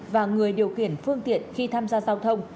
và người điều khiển phương tiện khi tham gia giao thông